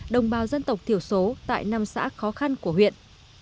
đồng bào dân tộc thiểu số tại năm xã khó khăn của huyện